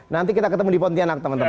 nanti kita ketemu di pontianak teman teman